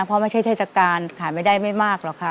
เพราะไม่ใช่เทศกาลขายไม่ได้ไม่มากหรอกค่ะ